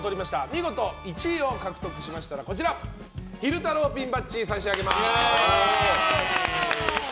見事１位を獲得しましたら昼太郎ピンバッジ差し上げます。